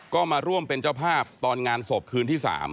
ก็มาร่วมเป็นเจ้าภาพตอนงานศพคืนที่๓